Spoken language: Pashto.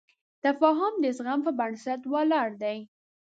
تفاهم د زغم په بنسټ ولاړ دی.